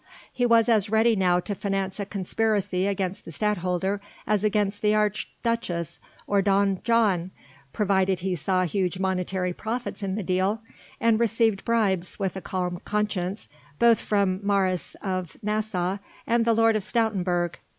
He was as ready now to finance a conspiracy against the Stadtholder as against the Archduchess or Don John, provided he saw huge monetary profits in the deal, and received bribes with a calm conscience both from Maurice of Nassau and the Lord of Stoutenburg.